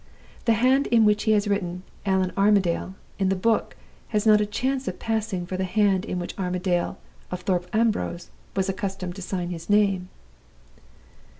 The hand in which he has written 'Allan Armadale' in the book has not a chance of passing for the hand in which Armadale of Thorpe Ambrose was accustomed to sign his name.